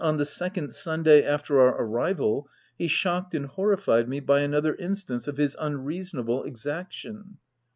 71 the second Sunday after our arrival, he shocked and horrified me by another instance of his unreasonable exaction.